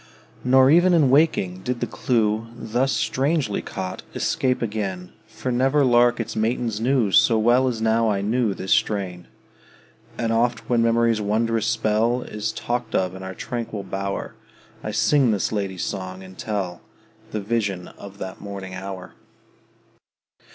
Nor even in waking did the clew, Thus strangely caught, escape again; For never lark its matins knew So well as now I knew this strain. And oft when memory's wondrous spell Is talked of in our tranquil bower, I sing this lady's song, and tell The vision of that morning hour.